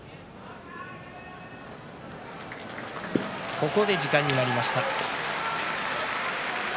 ここで時間になりました。